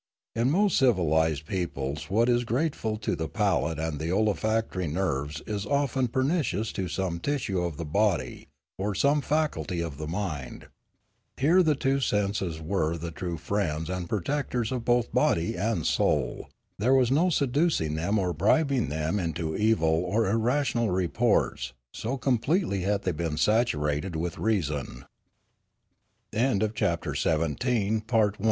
In most civilised peoples what is grateful to the palate and the olfactory nerves is often pernicious to some tissue of the body or some faculty of the mind. Here the two senses were the true friends and protectors of both body and soul ; there was no seducing them or bribing them into evil or irra tional reports, so completely had they been saturated with rea